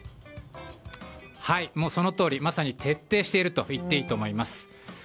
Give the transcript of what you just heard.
そのとおり、まさに徹底しているといっていいと思います。